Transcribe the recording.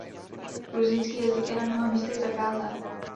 Gruzínský jazyk je na mnoha místech zakázán.